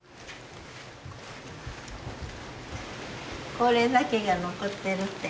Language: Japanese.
これだけが残ってるって。